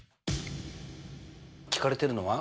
聞かれてるのは？